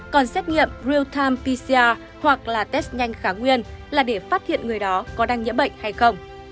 còn xét nghiệm real time pcr hoặc là test nhanh kháng nguyên là để phát hiện người đó có đang nhiễm bệnh hay không